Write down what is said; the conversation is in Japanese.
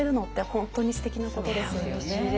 本当にすてきなことですよね。